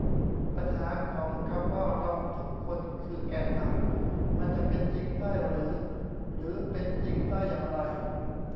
ปัญหาของคำว่า "เราทุกคนคือแกนนำ" มันจะเป็นจริงได้หรือ หรือเป็นจริงได้อย่างไร